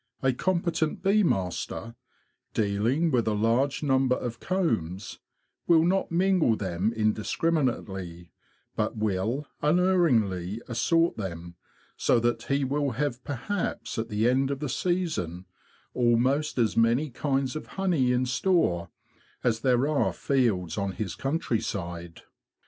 A competent bee master, dealing with a large number of combs, will not mingle them indiscriminately, but will unerringly assort them, so that he will have perhaps at the end of the season almost as many kinds of honey in store as there are fields on his countryside.